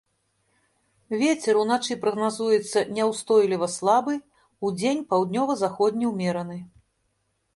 Вецер уначы прагназуецца няўстойлівы слабы, удзень паўднёва-заходні ўмераны.